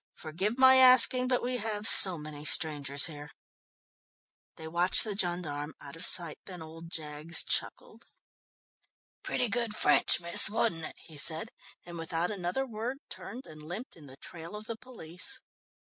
"Forgive my asking, but we have so many strangers here." They watched the gendarme out of sight. Then old Jaggs chuckled. "Pretty good French, miss, wasn't it?" he said, and without another word, turned and limped in the trail of the police.